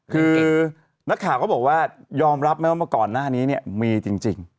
คือนักข่าวก็บอกว่ายอมรับไหมว่าเมื่อก่อนหน้านี้เนี่ยมีจริง